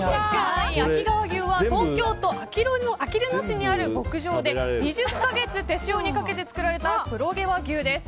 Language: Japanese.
秋川牛は東京都あきる野市にある牧場で２０か月、手塩にかけて作られた黒毛和牛です。